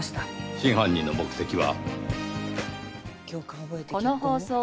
真犯人の目的は。